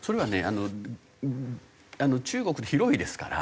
あの中国って広いですから。